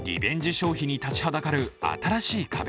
消費に立ちはだかる新しい壁。